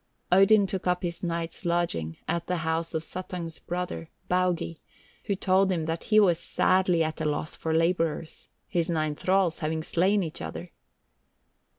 Odin took up his night's lodging at the house of Suttung's brother, Baugi, who told him that he was sadly at a loss for labourers, his nine thralls having slain each other.